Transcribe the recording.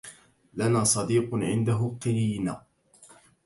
لنا صديق عنده قينة